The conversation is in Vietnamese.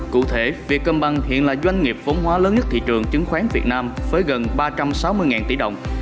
cụ thể việt công bằng hiện là doanh nghiệp vốn hóa lớn nhất thị trường chứng khoán việt nam với gần ba trăm sáu mươi tỷ đồng